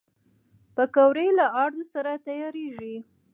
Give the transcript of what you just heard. پکورې له آردو سره تیارېږي